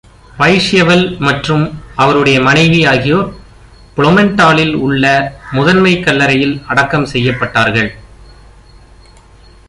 பைஷ்யெவெல் மற்றும் அவருடைய மனைவி ஆகியோர், ப்ளோமென்டாலில் உள்ள முதன்மைக் கல்லறையில் அடக்கம் செய்யப்பட்டார்கள்.